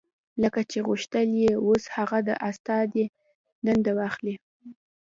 لکه چې غوښتل يې اوس هغه د استادۍ دنده واخلي.